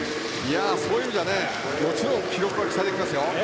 そういう意味じゃもちろん記録は期待できますよ。